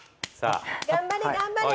頑張れ頑張れ。